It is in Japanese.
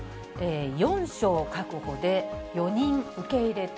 ４床確保で４人受け入れと。